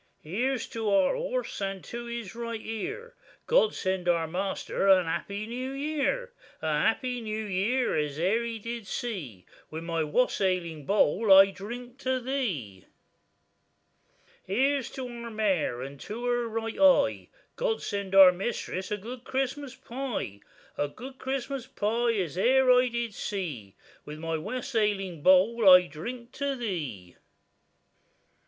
Here's to our horse, and to his right ear, God send our measter a happy new year: A happy new year as e'er he did see,— With my wassailing bowl I drink to thee. Here's to our mare, and to her right eye, God send our mistress a good Christmas pie; A good Christmas pie as e'er I did see,— With my wassailing bowl I drink to thee.